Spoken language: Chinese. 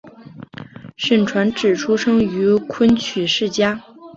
沈传芷出生于昆曲世家。